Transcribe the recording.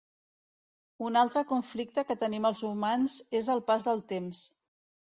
Un altre conflicte que tenim els humans és el pas del temps.